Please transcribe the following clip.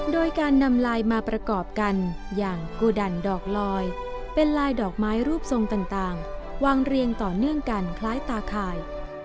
โดยการนำลายมาประกอบกันอย่างกูดันดอกลอยเป็นลายดอกไม้รูปทรงต่างวางเรียงต่อเนื่องกันคล้ายตาข่าย